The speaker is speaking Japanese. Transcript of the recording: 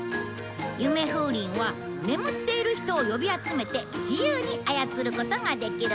ゆめふうりんは眠っている人を呼び集めて自由に操ることができるんだ。